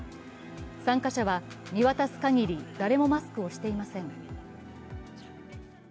参加者は見渡すかぎり誰もマスクをしていません。